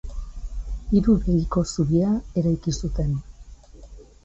Hiru begiko zubia eraiki zuten.